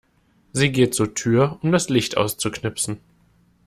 Sie geht zur Tür, um das Licht auszuknipsen.